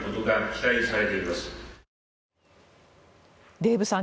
デーブさん